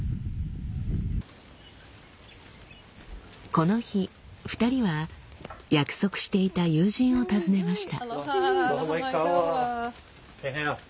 この日２人は約束していた友人を訪ねました。